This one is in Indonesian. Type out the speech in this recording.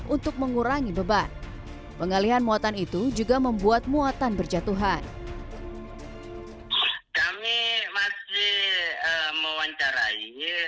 untuk mengurangi beban pengalihan muatan itu juga membuat muatan berjatuhan kami masih mewawancarai